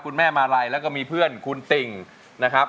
คุณแม่มาลัยแล้วก็มีเพื่อนคุณติ่งนะครับ